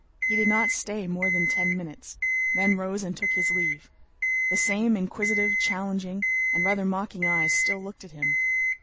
He did not stay more than ten minutes, then rose and took his leave. The same inquisitive, challenging, and rather mocking eyes still looked at him.